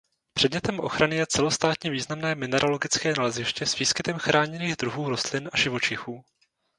Předmětem ochrany je celostátně významné mineralogické naleziště s výskytem chráněných druhů rostlin a živočichů.